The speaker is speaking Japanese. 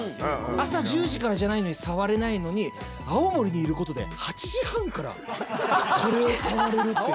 朝１０時からじゃないのに触れないのに青森にいることで８時半からこれを触れるっていう。